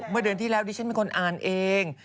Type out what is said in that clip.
เมื่อเดือนที่แล้วดิฉันเป็นคนอ่านเอง